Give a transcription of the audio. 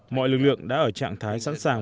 mọi lực lượng đã ở trạng thái sẵn sàng